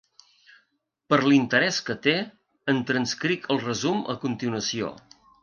Per l’interès que té, en transcric el resum a continuació.